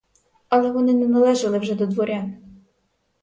Але вони не належали вже до дворян.